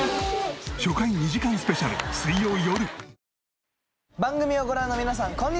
初回２時間スペシャル水曜よる。